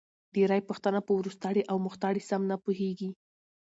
ډېری پښتانه په وروستاړې او مختاړې سم نه پوهېږې